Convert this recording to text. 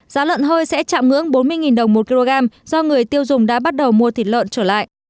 giá lợn hơi sẽ chạm ngưỡng bốn mươi đồng một kg do người tiêu dùng đã bắt đầu mua thịt lợn trở lại